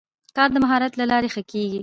کار د مهارت له لارې ښه کېږي